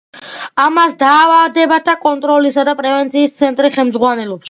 ამას დაავადებათა კონტროლისა და პრევენციის ცენტრი ხელმძღვანელობს.